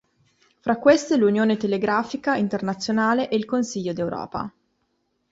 Fra queste l'Unione telegrafica internazionale e il Consiglio d’Europa.